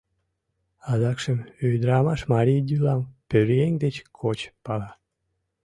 Адакшым ӱдырамаш марий йӱлам пӧръеҥ деч коч пала.